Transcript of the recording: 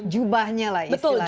jubahnya lah istilahnya